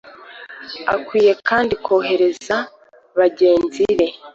akwiye kandi korohera bagenzi be